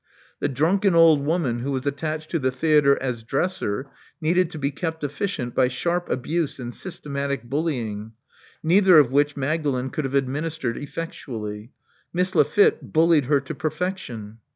The drunken old woman who was attached to the theatre as dresser, needed to be kept efficient by sharp abuse and systematic bullying, neither of which Mag dalen could have administered effectually. Miss Lafitte bullied her to perfection.